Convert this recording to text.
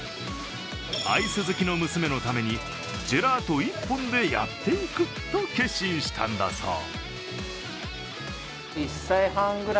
アイス好きの娘のためにジェラート一本でやっていくと決心したんだそう。